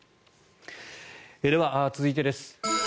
では、続いてです。